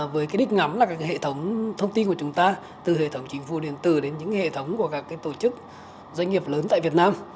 với cái đích ngắm là hệ thống thông tin của chúng ta từ hệ thống chính phủ điện tử đến những hệ thống của các tổ chức doanh nghiệp lớn tại việt nam